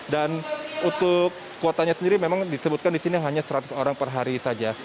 dan untuk kuotanya sendiri memang disebutkan di sini hanya seratus orang per hari saja